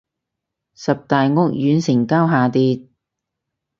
十大屋苑成交下跌